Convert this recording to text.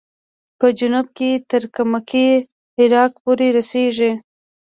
په جنوب کې تر کمکي عراق پورې رسېږي.